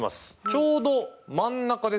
ちょうど真ん中ですね。